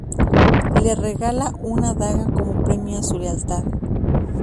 Le regala una daga como premio a su lealtad.